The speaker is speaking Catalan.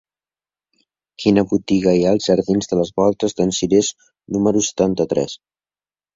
Quina botiga hi ha als jardins de les Voltes d'en Cirés número setanta-tres?